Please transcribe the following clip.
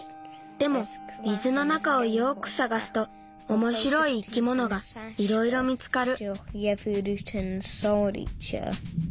でも水の中をよくさがすとおもしろい生き物がいろいろ見つかる。